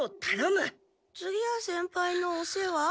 次屋先輩のお世話？